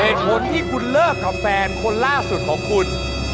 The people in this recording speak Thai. เหตุผลที่คุณเลิกกับแฟนคนล่าสุดของคุณ